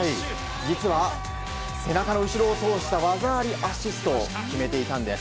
実は、背中の後ろを通した技ありアシストを決めていたんです。